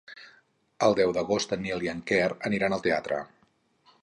El deu d'agost en Nil i en Quer aniran al teatre.